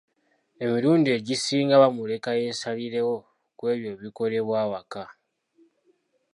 Emilundi egisinga bamuleka yeesalirewo ku ebyo ebikolebwa awaka.